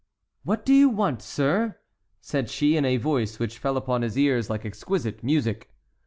"What do you want, sir?" said she, in a voice which fell upon his ears like exquisite music.